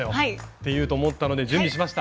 ていうと思ったので準備しました。